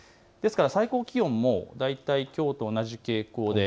最高気温も大体きょうと同じ傾向です。